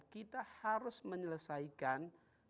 kita harus menyelesaikan